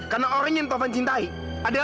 karena orang yang tovan cintai adalah